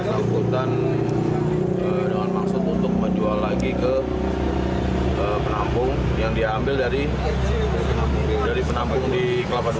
angkutan dengan maksud untuk menjual lagi ke penampung yang diambil dari penampung di kelapa dua